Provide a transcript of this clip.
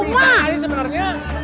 bikin ini sebenarnya